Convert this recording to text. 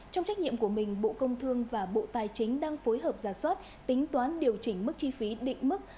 trong trách nhiệm của mình bộ công thương và bộ tài chính đang phối hợp giả soát tính toán điều chỉnh mức chi phí định mức